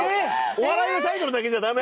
お笑いのタイトルだけじゃダメ？